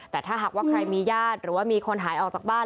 แต่ถ้าหากว่าใครมีญาติหรือว่ามีคนหายออกจากบ้าน